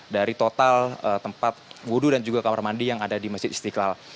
dari total tempat wudhu dan juga kamar mandi yang ada di masjid istiqlal